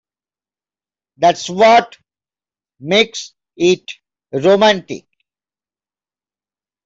That's what makes it romantic.